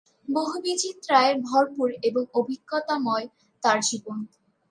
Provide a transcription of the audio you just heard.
বহু বিচিত্রতায় ভরপুর এবং অভিজ্ঞতাময় তার জীবন।